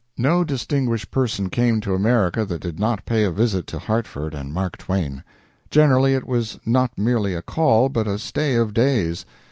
No distinguished person came to America that did not pay a visit to Hartford and Mark Twain. Generally it was not merely a call, but a stay of days.